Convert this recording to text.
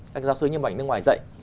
các giáo sư như ảnh nước ngoài dạy